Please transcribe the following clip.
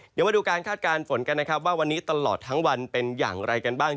เดี๋ยวมาดูการคาดการณ์ฝนกันนะครับว่าวันนี้ตลอดทั้งวันเป็นอย่างไรกันบ้าง